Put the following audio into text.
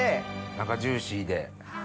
中ジューシーで。